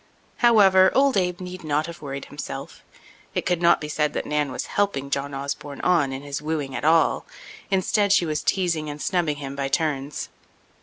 However, old Abe need not have worried himself. It could not be said that Nan was helping John Osborne on in his wooing at all. Instead, she was teasing and snubbing him by turns.